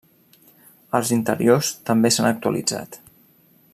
Els interiors també s'han actualitzat.